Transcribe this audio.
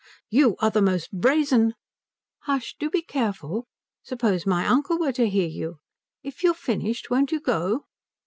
"You are the most brazen " "Hush. Do be careful. Suppose my uncle were to hear you? If you've finished won't you go?"